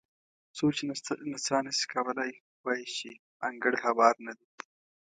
څوک چې نڅا نه شي کولی وایي چې انګړ هوار نه دی.